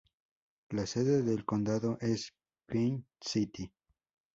La sede del condado es Pine City.